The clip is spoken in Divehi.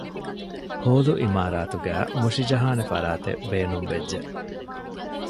ހޯލު އިމާރާތުގައި މުށިޖަހާނެ ފަރާތެއް ބޭނުންވެއްޖެ